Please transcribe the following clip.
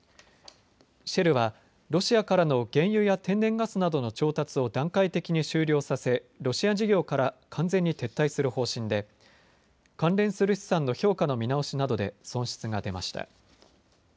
シェルはロシアからの原油や天然ガスなどの調達を段階的に終了させロシア事業から完全に撤退する方針で関連する資産の評価の見直しなどで損失が出ました。